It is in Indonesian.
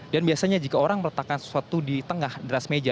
dan biasanya jika orang meletakkan sesuatu di tengah di atas meja